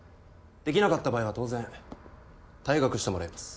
できなかった場合は当然退学してもらいます。